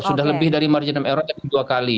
sudah lebih dari margin of error tapi dua kali